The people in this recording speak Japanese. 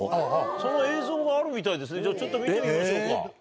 その映像があるみたいですねちょっと見てみましょうか。